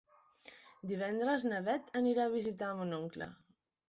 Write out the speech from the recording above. Divendres na Bet anirà a visitar mon oncle.